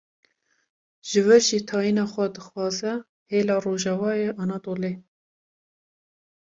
ji wir jî tayîna xwe dixwaze hêla rojavayê Anadolê